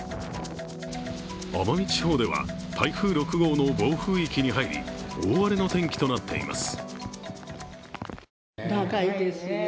奄美地方では台風６号の暴風域に入り、大荒れの天気となっています。